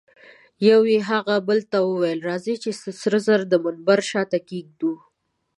یوه یې هغه بل ته وویل: راځئ چي سره زر د منبر شاته کښېږدو.